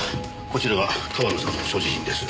こちらが川野さんの所持品です。